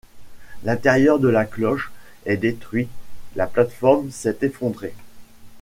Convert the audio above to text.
L'intérieur de la cloche est détruit, la plateforme s'est effondrée.